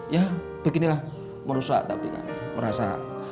ya beginilah merusak tapi merasa